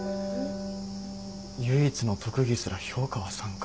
唯一の特技すら評価は「３」かよ。